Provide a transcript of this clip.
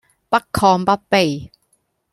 不亢不卑